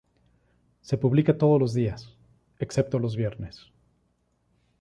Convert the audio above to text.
Se publica todos los días, excepto los viernes.